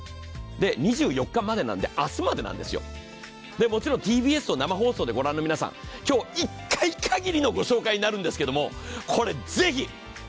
２４日までなので明日までなんですよ、もちろんＴＢＳの生放送を御覧の皆さん、今日、１回限りのご紹介になるんですけれどもこれ、ぜひ！